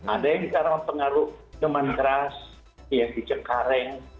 ada yang karena pengaruh cuman keras yang dicekareng